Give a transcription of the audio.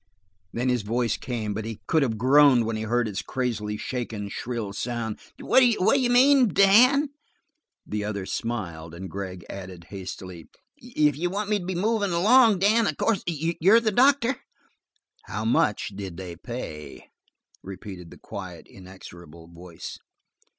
Then his voice came, but he could have groaned when he heard its crazily shaken, shrill sound. "What d'you mean, Dan?" The other smiled and Gregg added hastily: "If you want me to be movin' along, Dan, of course you're the doctor." "How much did they pay?" repeated the quiet, inexorable voice.